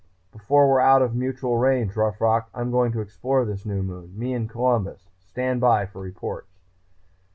"Before we're out of mutual range, Rough Rock, I'm going to explore this new moon. Me and Columbus! Stand by for reports."